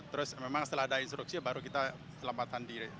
terus memang setelah ada instruksi baru kita selamatkan diri